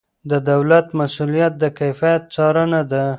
د دولت مسؤلیت د کیفیت څارنه ده.